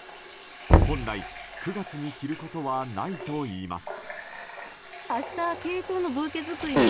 本来、９月に着ることはないといいます。